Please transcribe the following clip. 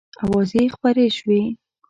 آوازې خپرې شوې.